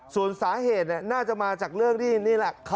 ส่วนสาเหตุน่าจะมาจากเรื่องที่นี่แหละ